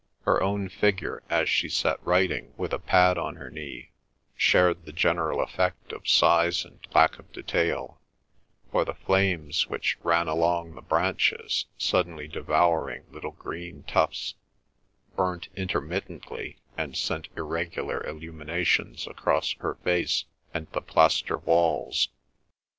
Her own figure, as she sat writing with a pad on her knee, shared the general effect of size and lack of detail, for the flames which ran along the branches, suddenly devouring little green tufts, burnt intermittently and sent irregular illuminations across her face and the plaster walls.